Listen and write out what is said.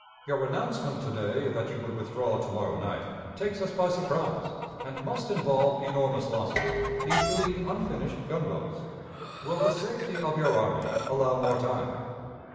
Your announcement to day that you would withdraw to morrow night takes us by surprise, and must involve enormous losses, including unfinished gunboats. Will the safety of your army allow more time?